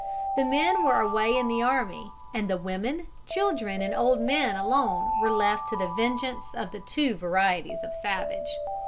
The men were away in the army, and the women, children, and old men alone were left to the vengeance of the two varieties of savage.